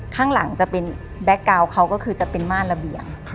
ข้างหลังจะเป็นแบ็คกาวน์เขาก็คือจะเป็นม่านระเบียง